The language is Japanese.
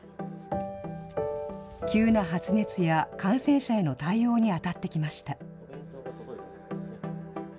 急な発熱や感染者への対応に当たってきました。